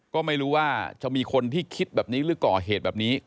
ก็ไม่รู้ว่าจะมีคนที่คิดแบบนี้หรือก่อเหตุแบบนี้